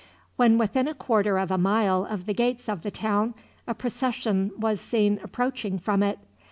When within a quarter of a mile of the gates of the town, a procession was seen approaching from it.